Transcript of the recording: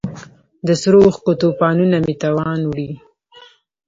د سرو اوښکو توپانونو مې توان وړی